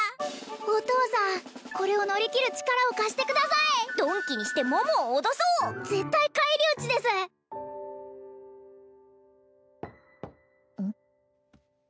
お父さんこれを乗り切る力を貸してください鈍器にして桃を脅そう絶対返り討ちですうん？